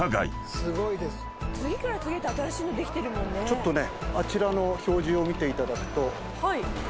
ちょっとね。